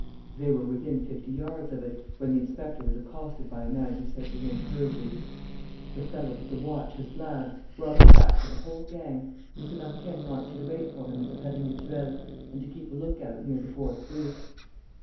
They were within fifty yards of it, when the inspector was accosted by a man who said to him, hurriedly: "The fellow with the watch has blabbed; we are on the tracks of a whole gang. M. Marquenne wants you to wait for him at the pari mutuel and to keep a look out near the fourth booth."